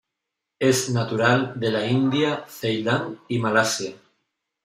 Es natural de la India, Ceilán y Malasia.